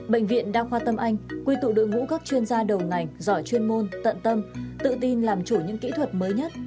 bệnh viện đa khoa tâm anh quy tụ đội ngũ các chuyên gia đầu ngành giỏi chuyên môn tận tâm tự tin làm chủ những kỹ thuật mới nhất